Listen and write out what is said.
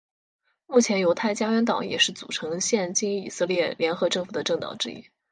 目前犹太家园党也是组成现今以色列联合政府的政党之一。